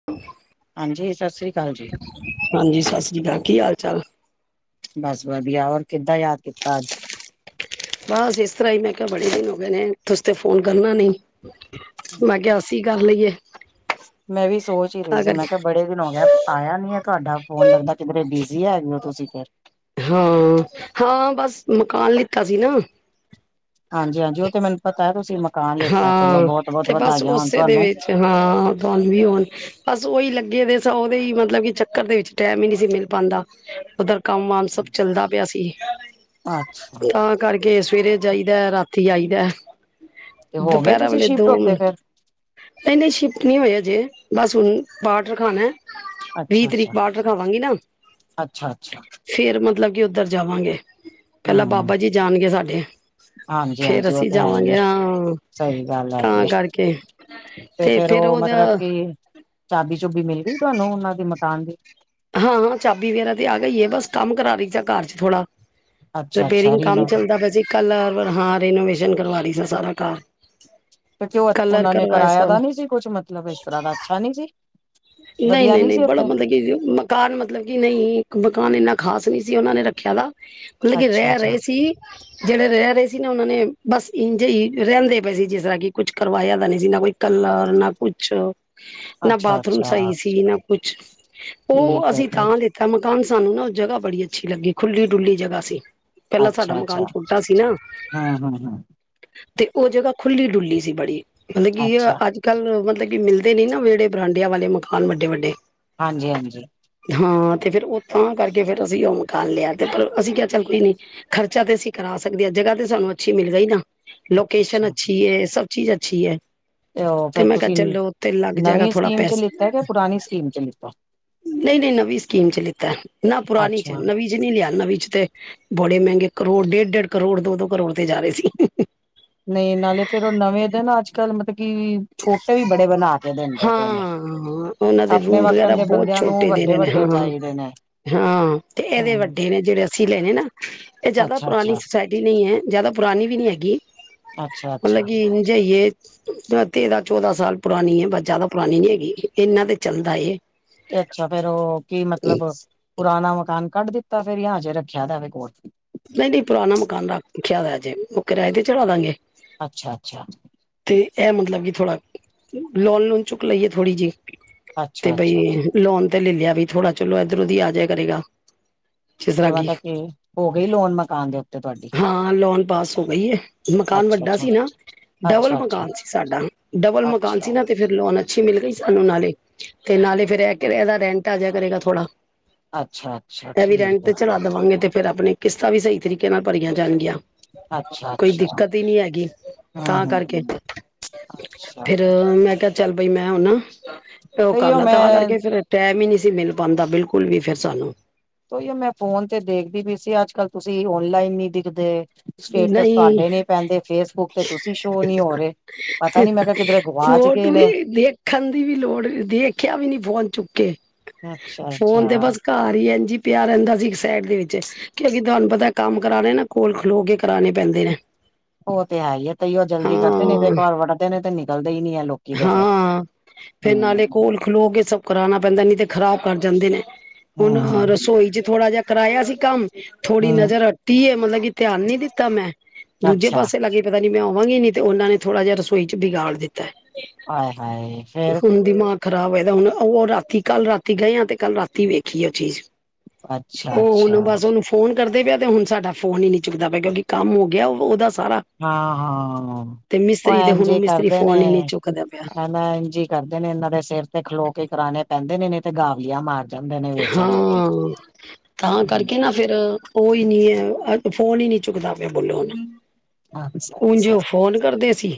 [inaudible] ਹਾਂਜੀ, ਸਸ੍ਰੀ ਕਾਲ ਜੀ। ਹਾਂਜੀ, ਸਸ੍ਰੀ ਕਾਲ। ਕੀ ਹਾਲ- ਚਾਲ? ਬਸ ਵਦੀਆ, ਹੋਰ ਕਿੱਦਾਂ ਯਾਦ ਕੀਤਾ ਅੱਜ? ਬਸ ਇਸ ਤਰ੍ਹਾਂ ਈ ਮੈਂ ਕਿਆ ਬੜੇ ਦਿਨ ਹੋ ਗਏ ਨੇ, ਤੁਸੀ ਤੇ ਫੋਨ ਕਰਨਾ ਨੀ। ਮੈਂ ਕਿਆ ਅਸੀ ਕਰ ਲਈਏ। ਮੈਂ ਵੀ ਸੋਚ ਈ ਰਹੀ ਤਾਂ ਸੀ ਮੈਂ ਕਿਹਾ ਕਰਕੇ ਬੜੇ ਦਿਨ ਹੋ ਗਏ। ਆਇਆ ਨਈ ਏ ਤੁਆਡਾ ਫੋਨ ਲੱਗਦਾ ਕਿਧਰੇ ਬਿਜੀ ਹੈਗੇ ਓ ਤੁਸੀਂ ਫਿਰ। ਹਾਂ-ਹਾਂ, ਬਸ ਮਕਾਨ ਲਿੱਤਾ ਸੀ ਨਾ। ਹਾਂਜੀ-ਹਾਂਜੀ, ਓ ਤੇ ਮੈਨੂੰ ਪਤਾ ਐ ਤੁਸੀਂ ਮਕਾਨ ਲਿੱਤਾ ਚਲੋ ਹਾਂ ਬਹੁਤ-ਬਹੁਤ ਤੇ ਬਸ ਵਧਾਈਆਂ ਹੋਣ ਉਸੇ ਦੇ ਤੁਆਨੂੰ। ਵਿੱਚ ਹਾਂ। ਤੁਆਨੂੰ ਵੀ ਹੋਣ ਬਸ ਉਈ ਲੱਗੇ ਦੇ ਉਹਦੇ ਹੀ ਮਤਲਬ ਕਿ ਚੱਕਰ ਦੇ ਵਿੱਚ ਟੈਮ ਈ ਨਈ ਸੀ ਮਿਲ ਪਾਂਦਾ। ਉੱਧਰ ਕੰਮ-ਕਾਰ ਸਭ ਚੱਲਦਾ ਪਿਆ ਸੀ। ਅੱਛਾ ਤਾਂ ਕਰਕੇ ਸਵੇਰੇ ਜਾਈਦਾ, ਰਾਤੀ ਆਈਦਾ। ਤੇ ਹੋ ਗਏ ਦੁਪੈਰਾ ਤੁਸੀਂ ਵੇਲੇ ਤੋ ਸ਼ਿਫਟ ਉੱਥੇ ਫਿਰ ਨਈ-ਨਈ, ਸ਼ਿਫਟ ਨਈ ਹੋਏ। ਅਜੇ ਬਸ ਹੁਣ ਪਾਠ ਰਖਾਣਾ। ਵੀਹ ਅੱਛਾ-ਅੱਛਾ, ਤਰੀਕ ਪਾਠ ਰਖਾਵਾਂਗੀ ਨਾ ਅੱਛਾ-ਅੱਛਾ। ਫੇਰ ਮਤਲਬ ਕਿ ਉੱਧਰ ਜਾਵਾਂਗੇ। ਪਹਿਲਾਂ ਬਾਬਾ ਜੀ ਜਾਣਗੇ ਸਾਡੇ। ਫੇਰ ਹਾਂਜੀ-ਹਾਂਜੀ, ਓ ਅਸੀਂ ਤੇ ਹੈ ਈ ਐ, ਜਾਵਾਂਗੇ ਹਾਂ ਸਈ ਗੱਲ ਹੈਗੀ ਤਾਂ ਐ। ਕਰਕੇ ਤੇ ਫੇਰ ਉਹ ਮਤਲਬ ਕਿ, ਚਾਬੀ-ਚੁਬੀ ਮਿਲ ਗਈ ਤੁਆਨੂੰ ਉਹਨਾਂ ਦੀ ਮਕਾਨ ਦੀ। ਹਾਂ-ਹਾਂ, ਚਾਬੀ ਵਗੈਰਾ ਤੇ ਆ ਗਈ ਐ ਬਸ ਕੰਮ ਕਰਾ ਰਈ ਸੈ ਘਰ ਚ' ਥੋੜਾ। ਅੱਛਾ ਅੱਛਾ ਰਿਪੇਰਿੰਗ ਕੰਮ ਰੀਨੋ ਚੱਲਦਾ ਪਿਆ ਸੀ ਕੱਲ ਹਾਂ ਰੇਨੋਵੇਸ਼ਨ ਕਰਵਾ ਰਹੀ ਸਾ ਸਾਰਾ ਘਰ। ਕਿਉਂਕਿ ਉਹ ਕਲਰ ਉਹਨਾਂ ਨੇ ਕਰਵਾਏ ਕਰਾਇਆ ਦਾ ਸਭ ਨਹੀਂ ਸੀ ਕੁਛ ਮਤਲਬ ਇਸ ਤਰ੍ਹਾਂ ਦਾ ਅੱਛਾ ਨਈ ਸੀ। ਨਈ- ਵਧੀਆ ਨਈ- ਨੀ ਨਈ, ਸੀ ਬੜਾ ਉੱਥੇ ਗੰਦਗੀ ਸੀ। ਮਕਾਨ ਮਤਲਬ ਕਿ ਨਹੀਂ, ਮਕਾਨ ਇੰਨਾ ਖ਼ਾਸ ਨਈ ਸੀ ਉਹਨਾਂ ਨੇ ਰੱਖਿਆ ਦਾ ਮਤਲਬ ਕਿ ਅੱਛਾ ਰਹਿ ਅੱਛਾ ਰਏ ਸੀ। ਜਿਹੜੇ ਰਹਿ ਰਏ ਸੀ ਨਾ ਉਹਨਾਂ ਨੇ ਬਸ ਇੰਝ ਈ ਰਹਿੰਦੇ ਪਏ ਸੀ ਜਿਸ ਤਰ੍ਹਾਂ ਕਿ ਕੁੱਝ ਕਰਵਾਇਆ ਤਾਂ ਨਈ ਸੀ ਨਾ ਕੋਈ ਕਲਰ ਨਾ ਕੁਛ, ਨਾ ਅੱਛਾ ਬਾਤ ਅੱਛਾ ਸਈ ਸੀ ਨਾ ਕੁਛ ਓ ਠੀਕ ਹੈ ਅਸੀਂ ਜੀ ਤਾਂ ਦਿ ਤਾਂ ਮਕਾਨ ਸਾਨੂੰ ਨਾ ਉਹ ਜਗਾ ਬੜੀ ਅੱਛੀ ਲੱਗੀ ਖੁੱਲੀ- ਡੁੱਲੀ ਜਗਾ ਸੀ। ਪਹਿਲਾਂ ਸਾਡਾ ਅੱਛਾ ਮਕਾਨ ਅੱਛਾ ਛੋਟਾ ਸੀ ਨਾ। ਹਮ ਹਮ ਹਮ ਤੇ ਓ ਜਗਾ ਖੁੱਲੀ-ਡੁੱਲੀ ਸੀ ਬੜੀ, ਮਤਲਬ ਕੀ ਅੱਛਾ ਅੱਜ ਕੱਲ ਮਤਲਬ ਕਿ ਮਿਲਦੇ ਨੀ ਨਾ ਵਿਹੜੇ ਬਰਾਂਡਿਆਂ ਵਾਲੇ ਮਕਾਨ ਵੱਡੇ-ਵੱਡੇ। ਹਾਂਜੀ-ਹਾਂਜੀ। ਹਾਂ ਤੇ ਫਿਰ ੳ ਤਾਂ ਕਰਕੇ ਫਿਰ ਅਸੀਂ ੳ ਮਕਾਨ ਲਿਆ ਤੇ ਪਰ ਅਸੀਂ ਕਿਆ ਚੱਲ ਕੋਈ ਨੀ ਖਰਚਾ ਤੇ ਅਸੀਂ ਕਰਾ ਸਕਦੇ ਆਂ, ਜਗ੍ਹਾ ਤੇ ਸਾਨੂੰ ਅੱਛੀ ਮਿਲ ਗਈ ਨਾ। ਲੋਕੇਸ਼ਨ ਤੇ ਅੱਛੀ ਏ, ਸਭ ਚੀਜ਼ ਅੱਛੀ ਏ। ਉਹ ਤੇ ਫੇਰ ਮੈਂ ਕਿਹਾ ਤੁਸੀਂ ਚਲੋ ੳਥੇ ਲੱਗ ਜਾਏਗਾ ਨਵੀਂ ਥੋੜਾ ਸਕੀਮ ਚ ਲਿੱਤਾ ਯਾ, ਪੁਰਾਣੀ ਸਕੀਮ ਚ ਲਿੱਤਾ। ਨਈ-ਨਈ ਨਵੀਂ ਸਕੀਮ ਚ ਲਿਖਤੀ, ਨਾ ਪੁਰਾਣੀ ਚ ਅੱਛਾ ਨਵੀਂ ਚ ਨੀ ਲਿਆ, ਨਵੀ ਚ ਤੇ ਬੜੇ ਮੈਂਗੇ ਕਰੋੜ ਡੇਢ-ਡੇਢ ਕਰੋੜ ਦੋ-ਦੋ ਕਰੋੜ ਦੇ ਜਾ ਰਏ ਸੀ। ਨਈ ਨਾਲੇ ਫੇਰ ੳ ਨਵੇਂ ਦੇ ਨਾ ਚ ਅੱਜ ਕੱਲ ਮਤਲਬ ਕੀ ਛੋਟੇ ਵੀ ਬੜੇ ਬਣਾ ਕੇ ਦਿੰਦੇ ਪਏ ਨੇ ਹਾਂ ਉਹਨਾਂ ਦੇ ਆਪਣੇ ਰੂਮ ਵਕਣ ਵਗੈਰਾ ਦੇ। ਬਹੁਤ ਬੰਦਿਆਂ ਨੂੰ ਛੋਟੇ ਦੇ ਰਹੇ ਨੇ ਵੱਡੇ-ਵੱਡੇ ਹਾਂ ਚਾਈਦੇ ਨੇ। ਹਾਂ ਤੇ ਏਦੇ ਹਮ ਵੱਡੇ ਨੇ ਜੇੜੇ ਅਸੀਂ ਲਏ ਨੇ ਨਾ, ਏ ਜਾਦਾ ਅੱਛਾ ਪੁਰਾਣੀ ਅੱਛਾ ਸੁਸਾਇ ਨੀ ਏ, ਜਾਦਾ ਪੁਰਾਨੀ ਵੀ ਨੀ ਹੈਗੀ, ਅੱਛਾ ਅੱਛਾ ਮਲਕ ਕਿ ੳਂਜਈ ਏ। ਤੇਰਾਂ ਚੌਦਾਂ ਸਾਲ ਪੁਰਾਨੀ ਏ, ਬਸ ਜਾਦਾ ਪੁਰਾਨੀ ਨੀ ਹੈਗੀ ਇਨਾਂ ਤੇ ਚੱਲਦਾ ਏ। ਤੇ ਅੱਛਾ ਫੇਰ ੳ ਕੀ ਮਤਲਬ ਪੁਰਾਨਾ ਮਕਾਨ ਕੱਢ ਦਿੱਤਾ ਫੇਰ ਜੇ ਰੱਖਿਆ ਦਾਵੇ ਕੋਲ। ਨਈ-ਨਈ ਪੁਰਾਨਾ ਮਕਾਨ ਰੱਖ ਰੱਖਿਆ ਦੈ ਹਜੇ ੳ ਕਿਰਾਏ ਤੇ ਚੜ੍ਹਾ ਦਾਂਗੇ। ਅੱਛਾ ਅੱਛਾ। ਤੇ ਐ ਮਤਲਬ ਕਿ ਥੋੜਾ ਲੋਨ-ਲੂਨ ਚੁੱਕ ਲਈਏ ਥੋੜ੍ਹੀ ਜੀ ਤੇ ਅੱਛਾ ਬਈ ਅੱਛਾ ਲੋਨ ਤੇ ਲੈ ਲਿਆ ਵਈ, ਥੋੜਾ ਚਲੋ ਇੱਧਰੋਂ ਦੀ ਆ ਜਾਇ ਕਰੇਗਾ। ਜਿਸ ਤਰ੍ਹਾਂ ਜਮਾਂ ਕਿ ਤਕ ਈ, ਹੋ ਗਈ ਲੋਨ ਮਕਾਨ ਦੇ ਉ ਹਾਂ ਲੋਨ ਪਾਸ ਹੋ ਗਈ ਏ, ਮਕਾਨ ਅੱਛਾ ਵੱਡਾ ਅੱਛਾ ਸੀ ਨਾ। ਡਬਲ ਅੱਛਾ ਅੱਛਾ ਮਕਾਨ ਸੀ ਸਾਡਾ, ਡਬਲ ਮਕਾਨ ਅੱਛਾ ਸੀ ਨਾ ਤੇ ਫੇਰ ਲੋਨ ਅੱਛੀ ਮਿਲ ਗਈ ਸਾਨੂੰ ਨਾਲੇ ਤੇ ਨਾਲੇ ਫੇਰ ਏ ਕੇ ਏਦਾ ਰੈਂਟ ਆ ਜਿਆ ਕਰੇਗਾ ਥੋੜਾ ਅੱਛਾ ਅੱਛਾ ਐ ਵੀ ਰੈਂਟ ਠੀਕ ਤੇ ਹੈ ਚੜਾ ਦਵਾਂਗੇ ਤੇ ਫੇਰ ਅਪਣੇ ਕਿਸ਼ਤਾਂ ਵੀ ਸਈ ਤਰੀਕੇ ਨਾਲ ਭਰੀਆਂ ਜਾਨਗੀਆਂ। ਅੱਛਾ ਕੋਈ ਅੱਛਾ ਦਿੱਕਤ ਈ ਨੀ ਹੈਗੀ ਤਾਂ ਹਮ ਹਮ ਕਰਕੇ। ਹਮ ਅੱਛਾ ਫੇਰ ਮੈਂ ਕਿਆ ਚੱਲ ਬਈ ਮੈਂ ਹੁਨਾ ੳ ਕਰ ਤੇਈਓ ਲਾਂ ਤਾਂਵਾ ਮੈਂ ਤਰਕੇ ਫੇਰ ਟੈਮ ਈ ਨੀ ਸੀ ਮਿਲ ਪਾਂਦਾ ਬਿਲਕੁਲ ਵੀ ਫਿਰ ਸਾਨੂੰ। ੳਈੳ ਮੈਂ ਫੋਨ ਤੇ ਦੇਖਦੀ ਪਈ ਸੀ, ਅੱਜ ਕੱਲ ਤੁਸੀਂ ਔਨਲਾਈਨ ਨੀ ਦਿਖਦੇ। ਸਟੇਟਸ ਨਹੀਂ ਤੁਹਾਡੇ ਨੀ ਪੈਂਦੇ, ਫੇਸਬੁੱਕ ਤੇ ਤੁਸੀਂ ਸ਼ੋ ਨੀ ਹੋ ਰਏ। ਪਤਾ ਨੀ ਮੈਂ ਕਿਆ ਕਿੱਧਰੇ ਗੁਵਾਚ ਗਏ ਫੋਟੋ ਨੇ। ਵੀ ਦੇਖਣ ਦੀ ਵੀ ਲੋੜ ਦੇਖਿਆ ਵੀ ਨੀ ਫੋਨ ਚੁੱਕ ਕੇ ਅੱਛਾ ਫੋਨ ਤੇ ਅੱਛਾ ਬਸ ਘਰ ਈ ਐਂਜ ਈ ਪਿਆ ਰੈੰਦਾ ਸੀ ਇੱਕ ਸਾਈਡ ਦੇ ਵਿੱਚ, ਕਿਉਕਿ ਤੁਹਾਨੂੰ ਪਤਾ ਕੰਮ ਕਰਾਨੈ ਕੋਲ ਖਲੋ ਕੇ ਕਰਾਨੇ ਪੈਂਦੇ ਨੇ। ੳ ਤੇ ਹੈ ਈਏ ਤੇਈੳ ਜਲਦੀ ਕਰਦੇ ਨੇ ਤੇ ਹਾਂ ਇੱਕ ਵਾਰ ਵੱੜਦੇ ਨੇ ਤੇ ਨਿਕਲਦੇ ਈ ਨੀ ਐ ਲੋਕ। ਹਾਂ ਫੇਰ ਨਾਲੇ ਕੋਲ ਖਲੋ ਕੇ ਸਭ ਕਰਾਨਾ ਪੈਂਦੈ ਨਈ ਤੇ ਖ਼ਰਾਬ ਕਰ ਜਾਂਦੇ ਨੇ। ਹੁਨ ਹਮ ਰਸੋਈ ਚ ਥੋੜ੍ਹਾ ਜਿਹਾ ਕਰਾਇਆ ਸੀ ਕੰਮ ਥੋੜ੍ਹੀ ਹਮ ਨਜ਼ਰ ਹਟੀ ਏ, ਮਤਲਬ ਕਿ ਧਿਆਨ ਨੀ ਦਿੱਤਾ ਮੈਂ ਦੂਜੇ ਅੱਛਾ ਪਾਸੇ ਲੱਗੇ ਪਤਾ ਨੀ ਮੈਂ ਆਵਾਂਗੀ ਨੀ ਤੇ ਉਨਾਂ ਨੇ ਥੋੜਾ ਜਿਆ ਰਸੋਈ ਚ ਬਿਗਾੜ ਦਿੱਤੈ। ਆਏ ਹਾਏ ਫੇਰ ਹੁੰਨ ਦਿਮਾ ਖ਼ਰਾਬ ਹੋਏਦਾ ਹੁਨ ਉ ਰਾਤੀ ਕੱਲ ਰਾਤੀ ਗਏ ਆਂ, ਤੇ ਕੱਲ ਰਾਤੀ ਵੇਖੀ ਉ ਚੀਜ਼। ਅੱਛਾ ਉ ਅੱਛਾ ਹੁਣ ਬਸ ਉਨੂੰ ਫੋਨ ਕਰਦੇ ਪਆ ਤੇ ਹੁਨ ਸਾਡਾ ਫੋਨ ਈ ਨੀ ਚੁੱਕਦਾ ਪਿਆ, ਕਿਉਂਕਿ ਕੰਮ ਹੋ ਗਿਆ ਉ ਉਦਾ ਸਾਰਾ ਹਾਂ ਹਾਂ ਤੇ ਉ ਮਿਸਤਰੀ ਤੇ ਐਨ ਹੁਣ ਉਹ ਜੀ ਮਿਸਤਰੀ ਕਰਦੇ ਨੇ ਫੋਨ ਹੀ ਨੀ ਚੁੱਕਦਾ ਪਿਆ ਐ ਐਨ ਜੀ। ਕਰਦੇ ਨੇ ਏਨਾ ਦੇ ਸੇਰ ਤੇ ਖਲੋ ਕੇ ਕਰਾਨੈ ਪੈਂਦੇ ਨੇ ਤੇ ਗਾਰਲੀਆਂ ਮਾਰ ਜਾਂਦੇ ਨੇ ਵਿੱਚ ਇਹ ਲੋਕੀ ਹਾਂ, ਤਾਂ ਹੂੰ। ਕਰਕੇ ਨਾ ਫੇਰ ੳਈ ਨਈ ਏ ਫੋਨ ਈ ਨਹੀਂ ਚੁੱਕਦਾ ਪਿਆ ਬੋਲੋ ਹੁਨ ਅੱਛਾ ਉਂਝ ਅੱਛਾ ਓ ਫੋਨ ਕਰਦੇ ਸੀ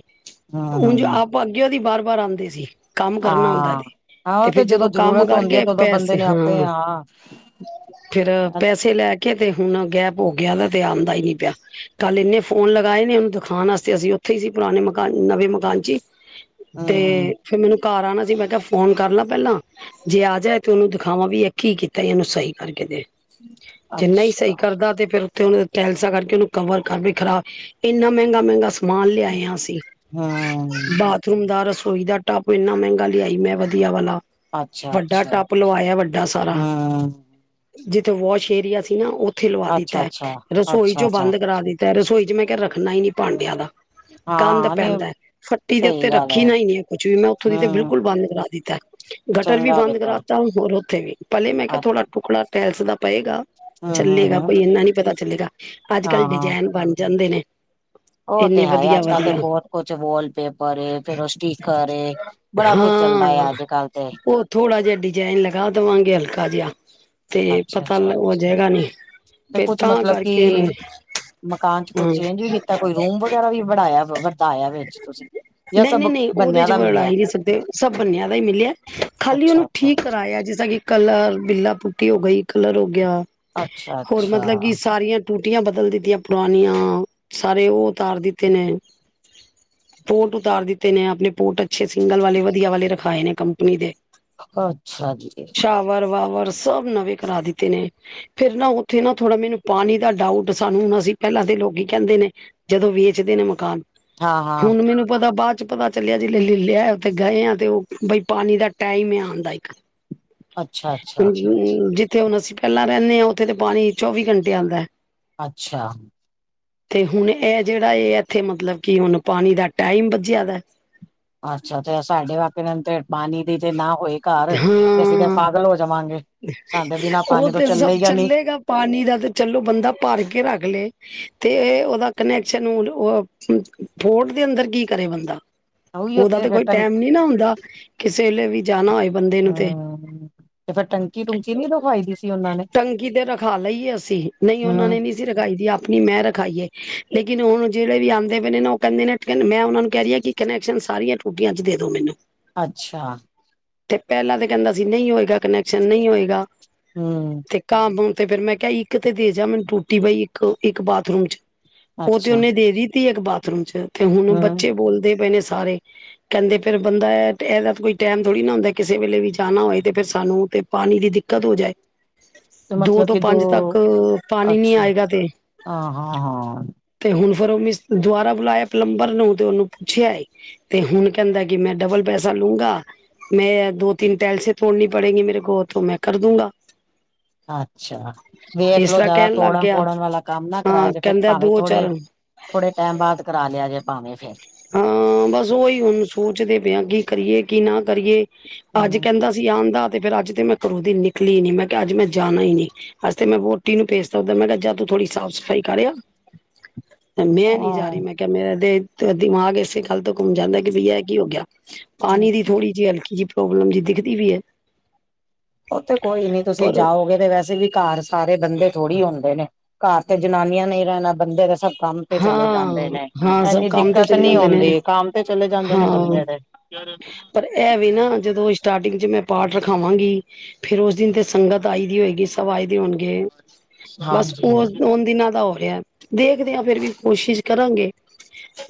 ਹਮ ਉਂਝ ਹਮ ਆਪ ਅੱਗੇ ਉ ਦੀ ਬਾਰ- ਬਾਰ ਆਉਂਦੇ ਸੀ। ਕੰਮ ਕਰਨਾ ਆਉਂਦਾ ਹਾਂ ਜੇ। ਹਾਂ ਤੇ ਉਹ ਫੇਰ ਜਦੋਂ ਕੰਮ ਜ਼ਰੂਰਤ ਹੁੰਦੀ ਹੈ ਕਰਕੇ ਉਦੋਂ ਬੰਦੇ ਪੈਸੇ, ਨੇ ਆਪੇ ਹਾਂ। ਫੇਰ ਪੈਸੇ ਲੈ ਕੇ ਤੇ ਹੁਣ ਗੈਪ ਹੋ ਗਿਆਦਾ ਨਾ ਤੇ ਆਉਂਦਾ ਹੀ ਨੀ ਪਿਆ, ਕੱਲ ਇੰਨੇ ਫੋਨ ਲਗਾਏ ਨੇ ਉ ਵੇਖਾਣ ਆਸਤੇ ਅਸੀ ਉਥੇ ਹੀ ਸੀ ਪੁਰਾਣੇ ਮਕਾਨ ਨਵੇ ਮਕਾਨ 'ਚ, ਤੇ- ਹਮ ਫੇਰ ਮੈਨੂੰ ਘਰ ਆਣਾ ਸੀ ਮੈ ਕਿਹਾ ਫੋਨ ਕਰ ਲਾ ਪਹਿਲਾ- ਜੇ ਆ ਜਾਏ ਤੇ ਉਹਨੂੰ ਦਿਖਾਵਾ ਵੀ ਇਹ ਕੀ ਕੀਤਾ ਈ ਇਹਨੂੰ ਸਹੀ ਕਰਕੇ ਦੇ- ਜੇ ਨਾਹੀ ਅੱਛਾ ਸਹੀ ਕਰਦਾ ਤੇ ਫੇਰ ਉਥੇ ਉਹ ਟੈਲਸਾ ਕਰਕੇ ਉਹਨੂੰ ਕਵਰ ਕਰ ਵੀ ਖਰਾਬ, ਇਨਾ- ਮਹਿੰਗਾ- ਮਹਿੰਗਾ ਸਮਾਨ ਲਿਆਏ ਆ ਅਸੀ, ਹਮ ਬਾ- ਫੇਰ ਇਨ ਦਾ ਰਸੋਈ ਦਾ ਟੱਪ ਇਨਾ ਮਹਿਗਾ ਲਿਆਈ ਮੈ ਵਧੀਆ ਵਾਲਾ। ਵੱਡਾ ਅੱਛਾ-ਅੱਛਾ, ਟੱਪ ਲਵਾਇਆ ਵੱਡਾ ਸਾਰਾ- ਹੂੰ, ਜਿਥੇ ਵਾਸ਼ ਏਰੀਆ ਸੀ ਨਾ ਉਥੇ ਲਵਾ ਦਿਤਾ ਏ, ਅੱਛਾ-ਅੱਛਾ, ਰਸੋਈ ਚੋ ਅੱਛਾ-ਅੱਛਾ, ਬੰਦ ਕਰਾ ਦਿਤਾ- ਤੇ ਰਸੋਈ 'ਚ ਮੈ ਕਿਹਾ ਰਖਣਾ ਹੀ ਨੀ ਭਾਂਡਿਆਂ ਦਾ ਗੰਦ ਹਾਂ ਨੀ ਪੈਦਾ ਐ। ਫੱਟੀ ਦੇ ਉਤੇ ਸਹੀ ਗੱਲ ਐ, ਰਖੀ ਨਾ ਹੀ ਨਹੀ ਹੈ। ਕੁਛ ਵੀ ਮੈ ਉਥੋ ਦੀ ਤੇ ਹੂੰ ਬਿਲਕੁਲ ਬੰਦ ਕਰਾ ਦਿਤਾ। ਗਟਰ ਵੀ ਚੰਗਾ ਬੰਦ ਕੀਤਾ, ਕਰਾਤਾ ਹੋਰ ਉਥੇ ਵੀ, ਪਹਿਲੇ ਮੈ ਕਿਹਾ ਥੋੜਾ ਟੁਕੜਾ ਟੈਲਸ ਦਾ ਪਏਗਾ। ਚੱਲੇਗਾ ਹੂੰ-ਹੂੰ-ਹੂੰ, ਕੋਈ ਇੰਨਾ ਨਹੀ ਪਤਾ ਚਲੇਗਾ ਅਜ ਕਲ ਡਿਜਾਇਨ ਬਣ ਜਾਦੇ ਨੇ। ਉ ਤੇ ਇੰਨੇ ਹੈ, ਵਧੀਆ ਅਜ ਕਲ ਤੇ ਵਧੀਆ ਬਹੁਤ ਕੁਛ ਵਾਲਪੇਪਰ ਏ, ਫੇਰ ਉ ਸਟੀਕਰ ਏ। ਬੜਾ ਕੁੱਝ ਚੱਲਦਾ ਹਾਂ ਆ, ਅੱਜ- ਕੱਲ ਤੇ- ਉਹ ਥੋੜਾ ਜਿਹਾ ਡਿਜਾਇਨ ਲਗਾ ਦੇਵਾਗੇ ਹਲਕਾ ਜਿਹਾ, ਤੇ ਪਤਾ ਅੱਛਾ-ਅੱਛਾ ਹੋ ਜਾਏਗਾ ਨੀ- ਤੇ ਫੇਰ ਕੁਛ ਤਾਂ ਮਤਲਬ ਕਰਕੇ ਕਿ ਮਕਾਨ 'ਚ ਕੁਛ ਹਾਂ ਚੇਨ- ਕੀ ਕੀਤਾ ਕੋਈ ਰੂਮ ਵਗੈਰਾ ਵੀ ਬਣਾਇਆ ਵਰਤਾਇਆ ਵਿਚ ਤੁਸੀ। ਨਹੀ- ਨਹੀਂ, ਨਹੀ ਉਹਦੇ 'ਚ ਬਣਾ ਹੀ ਨਹੀ ਸਕਦੇ ਸਭ ਬੰਨਿਆਂ ਵੇ ਮਿਲਿਆ ਖਾਲੀ ਉਹਨੂੰ ਅੱਛਾ-ਅੱਛਾ, ਠੀਕ ਕਰਾਇਆ ਜਿਸ ਤ ਕਿ- ਕਲਰ, ਬਿੱਲਾ ਪੁਟੀ ਹੋ ਗਈ, ਕਲਰ ਹੋ ਗਿਆ, ਹੋਰ ਅੱਛਾ-ਅੱਛਾ। ਮਤਲਬ ਕਿ ਸਾਰੀਆਂ- ਟੂਟੀਆਂ ਬਦਲ ਦਿਤੀਆਂ ਪੁਰਾਣੀਆਂ ਸਾਰੇ ਉਹ ਉਤਾਰ ਦਿਤੇ ਨੇ- ਪੋਟ ਉਤਾਰ ਦਿਤੇ ਨੇ ਆਪਣੇ ਪੋਟ ਅਛੇ ਸਿੰਗਲ ਵਾਲੇ ਵਧੀਆ ਵਾਲੇ ਰਖਾਏ ਨੇ ਕੰਪਨੀ ਦੇ। ਅਛਾ ਜੀ, ਟਾਵਰ- ਵਾਵਰ ਸਭ ਨਵੇ ਕਰਾ ਦਿਤੇ ਨੇ। ਫੇਰ ਨਾ ਉਥੇ ਨਾ ਥੋੜਾ ਮੈਨੂੰ ਪਾਣੀ ਦਾ ਡਾਊਟ ਸਾਨ ਅਸੀ ਪਹਿਲਾ ਦੇ ਲੋਕੀ - ਕਹਿਦੇ ਨੇ ਜਦੋ ਵੇਚਦੇ ਨੇ ਮਕਾਨ, ਹਾਂ-ਹਾਂ, ਹੁਣ ਮੈਨੂੰ ਪਤਾ ਬਾਅਦ- ਪਤਾ ਚਲਿਆ ਜਿ ਲੈ ਲਿਆ ਉਥੇ ਗਏ ਆ ਤੇ ਉਹ ਬਈ ਪਾਣੀ ਦਾ ਟਾਈਮ ਆ ਆਣ ਦਾ ਇਕ- ਅੱਛਾ-ਅੱਛਾ। ਹ ਜਿਥੇ ਹੁਣ ਅਸੀ ਪਹਿਲਾ ਰਹਿੰਨੇ ਹਾਂ ਉਥੇ ਤੇ ਪਾਣੀ ਚੋਵੀ ਘੰਟੇ ਆਂਦਾ ਏ। ਅਛਾ- ਤੇ ਹੁਣ ਇਹ ਜਿਹੜਾ ਇਹ ਇਥੇ ਮਤਲਬ ਕਿ ਹੁਣ ਪਾਣੀ ਦਾ ਟਾਈਮ ਵਜਿਆ ਵੇ- ਅਛਾ ਤੇ ਸਾਡੇ ਵਾਸਤੇ ਅ ਪਾਨੀ ਵੀ ਤੇ ਨਾ ਹੋਏ। ਘਰ ਤੇ ਅਸੀ ਤੇ ਹਾਂ ਪਾਗਲ ਹੋ ਜਾਵਾਗੇ ਸਾਡੇ ਬਿਨਾ ਉਹ ਪਾਣੀ ਤੋ ਤੇ ਸਭ ਚਲੇ ਗਾ ਨੀ। ਚੱਲੇਗਾ ਪਾਣੀ ਦਾ ਤੇ ਚਲੋ ਬੰਦਾ ਭਰ ਕੇ ਰਖ ਲਏ- ਤੇ ਉਹਦਾ ਕਨੈਕਸ਼ਨ ਹੁਣ ਓ ਥੋੜ ਦੇ ਅੰਦਰ ਕੀ ਕਰੇ ਬੰਦਾ। ਉਹੀਓ ਉਹਦਾ ਤੇ ਫਿਰ ਕੋਈ ਟੰ ਟੈਮ ਨੀ ਨਾ ਹੁੰਦਾ ਕਿਸੇ ਵੇਲੇ ਵੀ ਜਾਣਾ ਹੋਏ ਬੰਦੇ ਨੂੰ ਤੇ- ਹਾ [inaudible] ਤੇ ਫੇਰ ਟੰਕੀ- ਟੂੰਕੀ ਨੀ ਰਖਵਾਈ ਦੀ ਸੀ। ਉਹਨਾਂ ਨੇ ਟੰਕੀ ਤੇ ਰਖਾ ਲਈਏ ਅਸੀ, ਨਹੀ ਉਹਨਾ ਨੇ ਹੂੰ ਨੀ- ਰਖਾਈ ਦੀ ਆਪਣੀ ਮੈ ਰਖਾਈਏ ਲੇਕਿਨ ਹੁਣ ਜਿਹੜੇ ਵੀ ਆਉਦੇ ਪੇ ਨੇ ਉਹ ਕਹਿਦੇ ਨੇ ਮੈ ਉਹਨਾ ਨੂੰ ਕਹਿ ਰਹੀ ਹਾਂ ਕਿ- ਕਨੈਕਸ਼ਨ ਸਾਰੀਆਂ ਟੂਟੀਆਂ 'ਚ ਦੇ ਦੋ ਮੈਨੂੰ- ਅਛਾ- ਤੇ ਪਹਿਲਾ ਤਾਂ ਕਹਿੰਦਾ ਸੀ ਨਹੀ ਹੋਏਗਾ ਕਨੈਕਸ਼ਨ ਨਹੀ ਹੋਏਗਾ। ਹੂੰ - ਤੇ ਕਾਮ ਕੂਮ ਤੇ ਫਿਰ ਮੈ ਕਿਹਾ ਇਕ ਤੇ ਦੇ ਜਾ ਮੈਨੂੰ ਟੂਟੀ ਪਈ ਇੱਕ ਬਾਥਰੂਮ 'ਚ- ਉਹ ਤੇ ਅੱਛਾ ਉਹਨੇ ਦੇ ਦਿਤੀ ਇਕ ਬਾਥਰੂਮ 'ਚ ਤੇ ਹੁਣ ਹੂੰ ਬੱਚੇ ਬੋਲਦੇ ਪਏ ਨੇ ਸਾਰੇ- ਕਹਿਦੇ ਫਿਰ ਬੰਦਾ ਇਹਦਾ ਤਾਂ ਕੋਈ ਟਾਈਮ ਥੋੜ੍ਹੀ ਨਾ ਹੁੰਦਾ ਕਿਸੇ ਵੇਲੇ ਵੀ ਜਾਣਾ ਹੋਏ ਤੇ ਫੇਰ ਸਾਨੂੰ ਤੇ- ਪਾਣੀ ਦੀ ਦਿਕਤ ਹੋ ਜਾਏ- ਤੇ ਦੋ ਮਤਲਬ ਤੋਂ ਕਿ ਪੰਜ ਤੱਕ ਪਾਣੀ ਨੀ ਅੱਛਾ ਆਏਗਾ ਤੇ- ਹਾਂ ਹਾਂ ਹਾਂ ਤੇ ਹੁਣ ਫੇਰ ਉਹ ਮਿਸ ਦੁਬਾਰਾ ਬੁਲਾਇਆ ਪਲੰਬਰ ਨੂੰ ਤੇ ਉਹਨੂੰ ਪੁਛਿਆ ਏ ਤੇ ਹੁਣ ਕਹਿਦਾ ਕਿ ਮੈ ਡਬਲ ਪੈਸਾ ਲੂੰਗਾ। ਮੈ ਦੋ ਤਿੰਨ ਟੈਲਸੇ ਤੋੜਨੀ ਪੜੇਗੀ ਮੇਰੇ ਕੋ ਤੋ ਮੈ ਕਰ ਦੂੰਗਾ। ਅੱਛਾ। ਇਸ ਵੇਖਲੋ ਤਰ੍ਹਾਂ ਜ਼ਿਆਦਾ ਕਹਿਣ ਲੱਗ ਗਿਆ ਤੋੜਨ-ਫੋੜਨ ਵਾਲਾ ਕੰਮ ਨਾ ਕਰਾਓ ਹਾਂ ਜੇ ਫ਼ੇਰ ਕਹਿੰਦਾ ਭਾਵੇਂ ਦੋ ਚਾਰ ਥੋੜੇ ਥੋੜੇ ਟੈਮ ਬਾਅਦ ਕਰਾ ਲਿਆ ਜੇ ਭਾਵੇ ਫ਼ੇਰ। ਹਾਂ ਬਸ ਉਹੀ ਹੁਣ ਸੋਚਦੇ ਪਏ ਆਂ ਕੀ ਕਰੀਏ, ਕੀ ਨਾਂ ਕਰੀਏ, ਅੱਜ ਹੂੰ ਕਹਿੰਦਾ ਜੀ ਆਂਦਾ ਤੇ ਫੇਰ ਅੱਜ ਤੇ ਮੈਂ ਘਰੋਂ ਦੀ ਨਿਕਲੀ ਈ ਨੀਂ, ਮੈਂ ਕਿਹਾ ਅੱਜ ਮੈਂ ਜਾਣਾ ਈ ਨੀਂ। ਅੱਜ ਤੇ ਮੈਂ ਵੋਟੀ ਨੂੰ ਭੇਜਤਾ ਉੱਧਰ ਮੈਂ ਕਿਹਾ ਜਾ ਤੂੰ ਥੋੜ੍ਹੀ ਸਾਫ਼-ਸਫ਼ਾਈ ਕਰਿਆ। ਮੈਂ ਨੀਂ ਜਾ ਰਹੀ ਮੈਂ ਹਾਂ। ਕਿਹਾ ਮੇਰਾ ਤੇ, ਦਿਮਾਗ ਏਸੇ ਗੱਲ ਤੋਂ ਘੁੰਮ ਜਾਂਦਾ ਕਿ ਬਈ ਇਹ ਕੀ ਹੋ ਗਿਆ। ਪਾਣੀ ਦੀ ਥੋੜ੍ਹੀ ਜਿਹੀ, ਹਲਕੀ ਜਿਹੀ, ਪ੍ਰੋਬਲਮ ਜਿਹੀ ਦਿਖਦੀ ਪਈ ਐ। ਉਹ ਤੇ ਕੋਈ ਨੀਂ ਤੁਸੀਂ ਜਾਓਗੇ ਤੇ ਵੈਸੇ ਵੀ ਘਰ ਸਾਰੇ ਬੰਦੇ ਥੋੜ੍ਹੀ ਹੁੰਦੇ ਨੇ। ਘਰ ਤੇ ਜਨਾਨੀਆਂ ਨੇਂ ਈ ਰਹਿਣਾ, ਬੰਦੇ ਦਾ ਸਭ ਕੰਮ ਤੇ ਚਲੇ ਜਾਂਦੇ ਹਾਂ ਨੇਂ, ਹਾਂ ਸਭ ਐਨੀ ਕੰਮ ਤੇ ਦਿੱਕਤ ਚਲੇ ਨੀਂ ਜਾਂਦੇ ਨੇ ਹੋਂਦੀ ਕੰਮ ਤੇ ਚਲੇ ਜਾਂਦੇ ਨੇਂ ਹਾਂ ਬੰਦੇ ਤੇ। ਹੂੰ ਹੂੰ ਪਰ ਐ ਵੇ ਨਾਂ ਜਦੋਂ ਸਟਾਰਟਿੰਗ ਚ' ਮੈਂ ਪਾਠ ਰਖਾਵਾਂਗੀ। ਫੇਰ ਉਸ ਦਿਨ ਤੇ ਸੰਗਤ ਆਈ ਦੀ ਹੋਏਗੀ, ਸਭ ਆਏ ਦੇ ਹੋਣਗੇ। ਬਸ ਹਾਂਜੀ। ਉਸ-ਉਨ ਦਿਨਾਂ ਦਾ ਹੋ ਰਿਹਾ, ਦੇਖ ਦਿਆ ਫੇਰ ਵੀ ਕੋਸ਼ਿਸ਼ ਕਰਾਂਗੇ,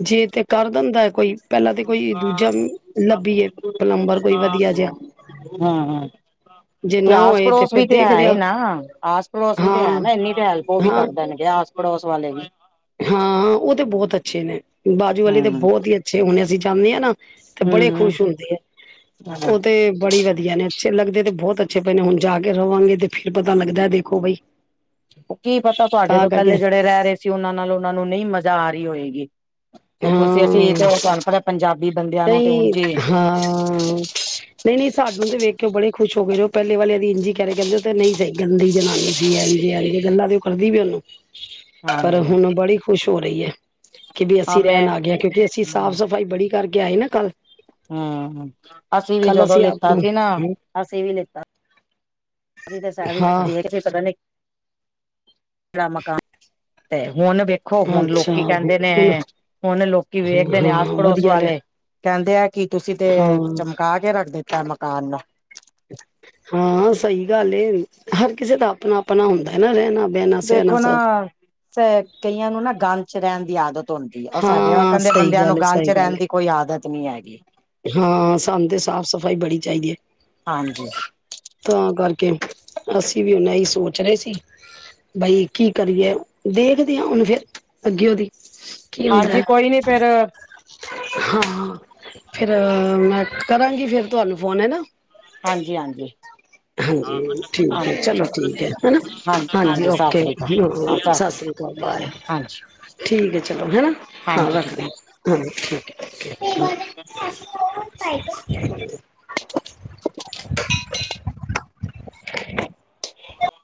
ਜੇ ਤੇ ਕਰ ਦਿੰਦਾ ਏ ਕੋਈ, ਪਹਿਲਾਂ ਤੇ ਕੋਈ ਦੂਜਾ ਮ, ਲੱਭੀਏ, ਪਲੰਬਰ ਕੋਈ ਵਧੀਆ ਜਿਆ। ਹਾਂ-ਹਾਂ। ਤੇ ਹੋਏ ਆਸ-ਪੜੋਸ ਫੇਰ ਵੀ ਤੇ ਹੈ ਦੇਖਦੇ ਈ ਆ ਨਾਂ, ਆਸ-ਪੜੋਸ ਵੀ ਤੇ ਹੈ ਹਾਂ ਨਾਂ ਇੰਨੀ ਤੇ ਹੈਲਪ ਉਹ ਵੀ ਹਾਂ ਕਰ ਦੇਣਗੇ ਆਸ ਪੜੋਸ ਵਾਲੇ ਵੀ। ਹਾਂ ਉਹ ਤੇ ਬਹੁਤ ਅੱਛੇ ਨੇਂ, ਬਾਜੂ ਵਾਲੇ ਤਾਂ ਹੂੰ ਬਹੁਤ ਈ ਅੱਛੇ ਹੁਣੇ ਅਸੀਂ ਜਾਂਨੇ ਆਂ ਨਾਂ। ਤੇ ਹੂੰ ਬੜੇ ਹੂੰ। ਖ਼ੁਸ਼ ਹੁੰਦੇ ਐ, ਉਹ ਤੇ ਬੜੀ ਵਧੀਆ ਨੇਂ ਅੱਛੇ ਲੱਗਦੇ ਤੇ ਬਹੁਤ ਅੱਛੇ ਪਏ ਨੇ ਹੁਣ ਜਾ ਕੇ ਰਵਾਂਗੇ ਤੇ ਫੇਰ ਪਤਾ ਲੱਗਦਾ ਦੇਖੋ ਬਈ। ਓ ਕੀ ਪਤਾ ਤੁਹਾਡੇ ਤਾਂ ਤੋਂ ਕਰਕੇ ਪਹਿਲੇ ਜਿਹੜੇ ਰਹਿ ਰਹੇ ਸੀ ਉਹਨਾਂ ਨਾਲ ਉਹਨਾਂ ਨੂੰ ਨਹੀਂ ਮਜ਼ਾ ਆ ਰਹੀ ਹੋਏਗੀ। ਤੇ ਤੁਸੀਂ-ਅਸੀਂ ਤੇ ਉਹ ਤੁਹਾਨੂੰ ਪਤਾ ਪੰਜਾਬੀ ਬੰਦੇ। ਤਾਂਈ, ਹਾਂ। ਨਈਂ-ਨਈਂ ਸਾਨੂੰ ਤੇ ਵੇਖ ਕੇ ਉਹ ਬੜੇ ਖੁਸ਼ ਹੋ ਗਏ ਤੇ ਉਹ ਪਹਿਲੇ ਵਾਲੇ ਦੀ ਇੰਝ ਹੀ ਕਹਿ ਰਏ ਕਹਿੰਦੇ ਓ ਤਾਂ ਨਈਂ ਸਹੀ ਗੰਦੀ ਜਨਾਨੀ ਜੀ ਆਈ ਵੀ ਆਈ ਗੱਲਾਂ ਤੇ ਉਹ ਕਰਦੀ ਵੀ ਉਹਨੂੰ, ਪਰ ਹਾਂਜੀ। ਹੁਣ ਬੜੀ ਖੁਸ਼ ਹੋ ਰਹੀ ਐ। ਕਿਡੀ ਹਾਂ ਅਸੀਂ ਰਹਿਣ ਮੈਂ ਆ ਗਏ ਆ, ਕਿਉਂਕਿ ਅਸੀਂ ਸਾਫ਼-ਸਫ਼ਾਈ ਬੜੀ ਕਰਕੇ ਆਏ ਨਾਂ ਕੱਲ। ਹੂੰ, ਅਸੀਂ ਵੀ ਕੱਲ ਜਦੋਂ ਆਪ ਲਿੱਤਾ ਨੂੰ ਸੀ ਨਾਂ, ਅਸੀਂ ਵੀ ਲਿੱਤਾ ਅਸੀਂ ਤਾਂ ਸਾਰੇ ਹਾਂ ਦੇਖਦੇ ਪਤਾ ਨਈਂ, ਕਿਹੜਾ ਮਕਾਨ ਤੇ, ਹੁਣ ਵੇਖੋ ਹੁਣ ਅੱਛਾ ਲੋਕੀ ਕਹਿੰਦੇ ਹੁਣ ਨੇਂ, ਹੁਣ ਲੋਕੀ ਵੇਖਦੇ ਨੇਂ ਹਾਂ ਆਸ-ਪੜੋਸ ਵਧੀਆ ਲੈ ਵਾਲੇ। ਕਹਿੰਦੇ ਆਂ ਕਿ ਤੁਸੀਂ ਹਾਂ ਤੇ, ਚਮਕਾ ਕੇ ਰੱਖ ਦਿੱਤਾ ਮਕਾਨ ਨੂੰ। ਹਾਂ ਸਹੀ ਗੱਲ ਏ, ਹਰ ਕਿਸੇ ਦਾ ਆਪਣਾ-ਆਪਣਾ ਹੁੰਦਾ ਏ ਨਾਂ ਰਹਿਣਾ ਬਹਿਣਾ ਸਹਿਣਾ ਦੇਖੋ ਸਭ ਨਾਂ, ਸੈ, ਕਈਆਂ ਨੂੰ ਨਾਂ ਗੰਦ ਚ' ਰਹਿਣ ਦੀ ਆਦਤ ਹੁੰਦੀ ਆ, ਉਹ ਸਾਡੇ ਹਾਂ ਦੇ ਸਹੀ ਬੰਦਿਆਂ ਗੱਲ ਨੂੰ ਏ ਗੰਦ ਸਹੀ ਚ' ਗੱਲ ਰਹਿਣ ਏ ਦੀ ਕੋਈ ਆਦਤ ਨੀਂ ਹੈਗੀ। ਹਾਂ ਸਾਨੂੰ ਤੇ ਸਾਫ਼-ਸਫ਼ਾਈ ਬੜੀ ਚਾਹੀਦੀ ਏ ਹਾਂਜੀ ਤਾਂ ਕਰਕੇ, ਅਸੀਂ ਵੀ ਉਹਨਾ ਈ ਸੋਚ ਰਹੇ ਸੀ। ਬਈ ਕੀ ਕਰੀਏ, ਦੇਖਦੇ ਆਂ ਹੁਣ ਫੇਰ, ਅੱਗੇ ਓ ਦੀ ਕੀ ਹੁੰਦਾ ਹਾਂਜੀ ਕੋਈ ਨੀਂ ਫੇਰ ਹਾਂ, ਫ਼ੇਰ ਮੈਂ ਕਰਾਂਗੀ ਫੇਰ ਤੁਹਾਨੂੰ ਫੋਨ ਹੈਨਾਂ ਹਾਂਜੀ-ਹਾਂਜੀ ਹਾਂਜੀ ਠੀਕ ਐ ਚਲੋ ਠੀਕ ਏ ਹਨਾਂ, ਹਾਂਜੀ ਓਕੇ, ਹਾਂ ਸਤਿ ਸ੍ਰੀ ਹਾਂਜੀ ਠੀਕ ਐ ਚਲੋ ਹੈਨਾ, ਹਾਂ ਹਾਂਜੀ ਠੀਕ ਰੱਖਦੇ ਆ [unintelligible] [unintelligible] [unintelligible] [inaudible]